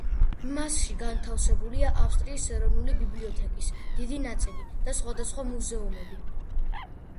მასში განთავსებულია ავსტრიის ეროვნული ბიბლიოთეკის დიდი ნაწილი და სხვადასხვა მუზეუმები.